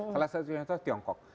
salah satunya itu tiongkok